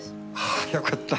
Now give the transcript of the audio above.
ああよかった。